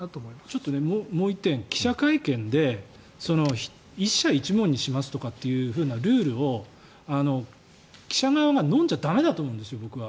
ちょっともう１点記者会見で１社１問にしますというルールを記者側がのんじゃ駄目だと思うんですよ、僕は。